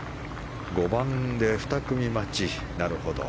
５番で２組待ち。